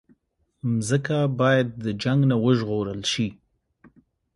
مځکه باید د جنګ نه وژغورل شي.